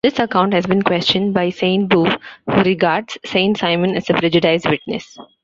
This account has been questioned by Sainte-Beuve, who regards Saint-Simon as a prejudiced witness.